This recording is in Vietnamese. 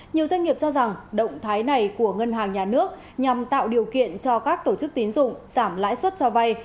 nhiều doanh nghiệp cho rằng động thái này của ngân hàng nhà nước nhằm tạo điều kiện cho các tổ chức tín dụng giảm lãi suất cho vay